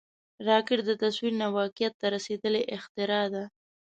راکټ د تصور نه واقعیت ته رسیدلی اختراع ده